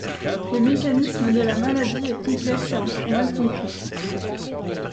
Le mécanisme de la maladie est complexe et encore mal compris.